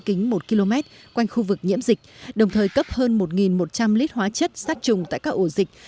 kính một km quanh khu vực nhiễm dịch đồng thời cấp hơn một một trăm linh lít hóa chất sát trùng tại các ổ dịch